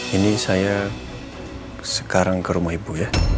ini saya sekarang ke rumah ibu ya